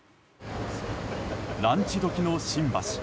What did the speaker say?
ランチ時の新橋。